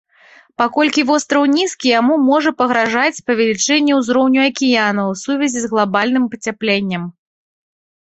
Паколькі востраў нізкі, яму можа пагражаць павелічэнне ўзроўню акіяна ў сувязі з глабальным пацяпленнем.